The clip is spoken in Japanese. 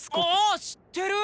あ知ってる！